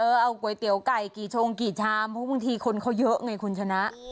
เอาก๋วยเตี๋ยวไก่กี่ชงกี่ชามเพราะบางทีคนเขาเยอะไงคุณชนะ